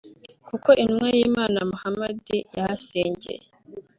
kuko Intumwa y’Imana Muhammad yahasengeye